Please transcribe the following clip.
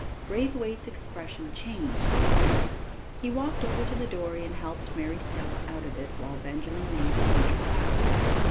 Braithwaite's expression changed slightly. He walked over to the dory and helped Mary Stella out of it while Benjamin made the painter fast.